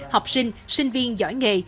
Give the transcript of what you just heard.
học sinh sinh viên giỏi nghề